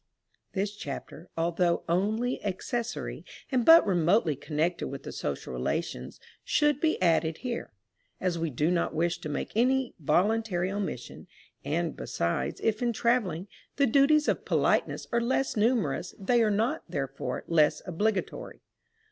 _ This chapter, although only accessory, and but remotely connected with the social relations, should be added here; as we do not wish to make any voluntary omission, and, besides, if in travelling, the duties of politeness are less numerous, they are not, therefore, less obligatory.